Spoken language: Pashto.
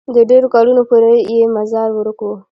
د ډېرو کلونو پورې یې مزار ورک وو.